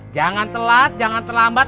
jangan telat jangan terlambat